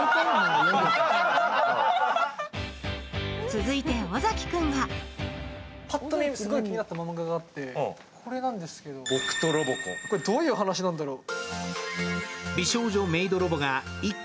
続いて、尾崎君がこれ、どういう話なんだろう？